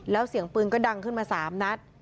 แล้วเสียงปืนก็ดังขึ้นมา๓นัด